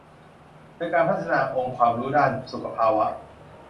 โดยการพัฒนาองค์ความรู้ด้านสุขภาวะ